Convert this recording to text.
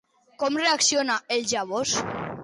Com reacciona ell, llavors?